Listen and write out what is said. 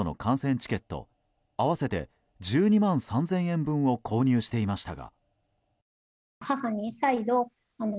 チケット合わせて１２万３０００円分を購入していましたが。